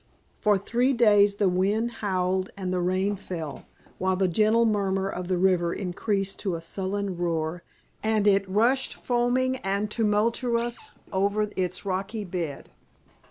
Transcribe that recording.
For three days the wind howled and the rain fell, while the gentle murmur of the river increased to a sullen roar and it rushed foaming and tumultuous over its rocky bed.